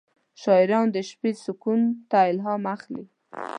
شاعران د شپې سکون ته الهام اخلي.